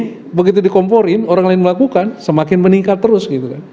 tapi di awal ini begitu dikomporin orang lain melakukan semakin meningkat terus gitu kan